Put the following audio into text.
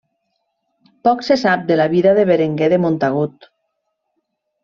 Poc se sap de la vida de Berenguer de Montagut.